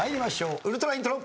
ウルトライントロ。